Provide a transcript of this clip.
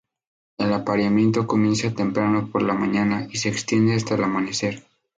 El apareamiento comienza temprano por la mañana y se extiende hasta el atardecer.